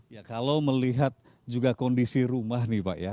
ya kalau melihat juga kondisi rumah nih pak ya